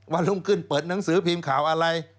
วันรุ่งขึ้นเปิดหนังสือพิมพ์ข่าวอะไร